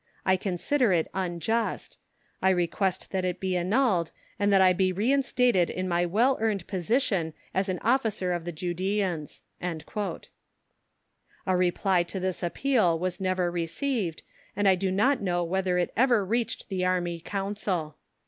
I consider it unjust. I request that it be annulled, and that I be reinstated in my well earned position as an Officer of the Judæans." A reply to this appeal was never received, and I do not know whether it ever reached the Army Council.